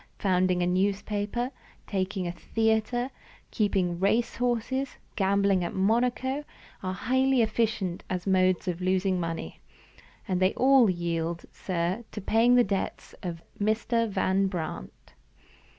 Founding a newspaper, taking a theater, keeping race horses, gambling at Monaco, are highly efficient as modes of losing money. But they all yield, sir, to paying the debts of Mr. Van Brandt!"